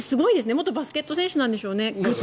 元バスケット選手なんでしょう。